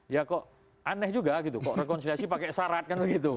ya kok aneh juga gitu kok rekonsiliasi pakai syarat kan begitu